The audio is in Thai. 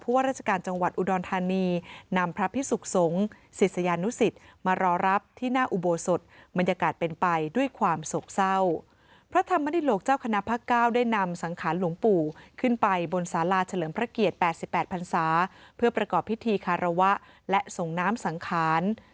พระธรรมดิโลกเจ้าคณะพระเก้าได้นำสังขารหลวงปู่ขึ้นไปบนศาลาเฉลิมพระเกียรติ๘๘พันศาเพื่อประกอบพิธีคาระวะและส่งน้ำสังขาร